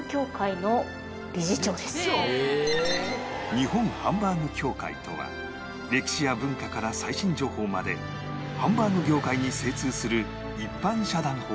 日本ハンバーグ協会とは歴史や文化から最新情報までハンバーグ業界に精通する一般社団法人